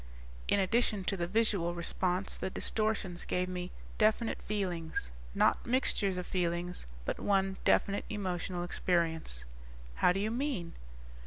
"_ "In addition to the visual response, the distortions gave me definite feelings. Not mixtures of feelings, but one definite emotional experience." "How do you mean?"